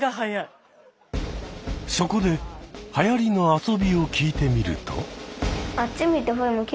そこではやりの遊びを聞いてみると。